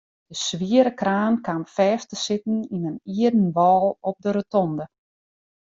De swiere kraan kaam fêst te sitten yn in ierden wâl op de rotonde.